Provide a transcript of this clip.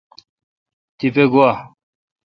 تیپہ گوا۔